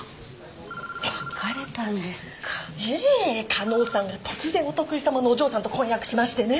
加納さんが突然お得意さまのお嬢さんと婚約しましてね。